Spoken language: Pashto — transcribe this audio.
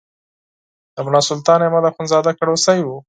د ملا سلطان محمد اخندزاده کړوسی و.